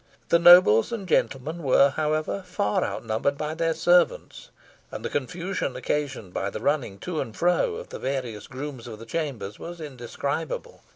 The nobles and gentlemen were, however, far outnumbered by their servants, and the confusion occasioned by the running to and fro of the various grooms of the chambers, was indescribable.